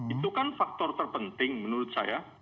itu kan faktor terpenting menurut saya